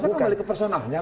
oh saya kembali ke personanya